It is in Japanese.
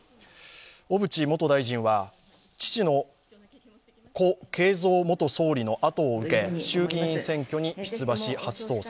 小渕元大臣は、父の故・恵三の後を受け衆議院選挙に出馬し、初当選。